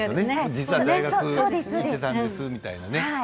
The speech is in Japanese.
実は大学行っていたんですみたいなね。